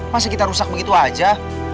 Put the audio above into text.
masa kita rusak begitu aja